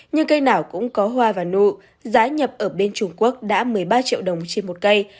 nhưng cây nào cũng có hoa và nụ giá nhập ở bên trung quốc đã một mươi ba triệu đồng trên một cây